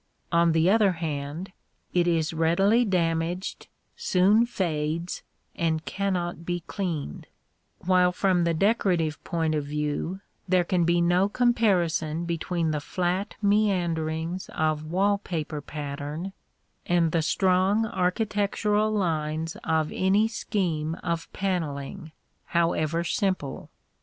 On the other hand, it is readily damaged, soon fades, and cannot be cleaned; while from the decorative point of view there can be no comparison between the flat meanderings of wall paper pattern and the strong architectural lines of any scheme of panelling, however simple.